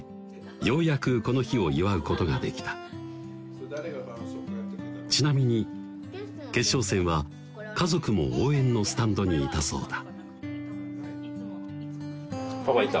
ようやくこの日を祝うことができたちなみに決勝戦は家族も応援のスタンドにいたそうだパパいた？